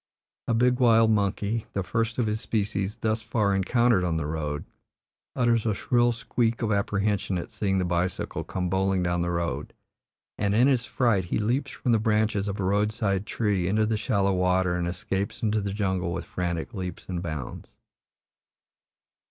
A big wild monkey, the first of his species thus far encountered on the road, utters a shrill squeak of apprehension at seeing the bicycle come bowling down the road, and in his fright he leaps from the branches of a road side tree into the shallow water and escapes into the jungle with frantic leaps and bounds.